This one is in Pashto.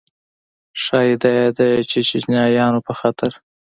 ښایي دا یې د چیچنیایانو په خاطر.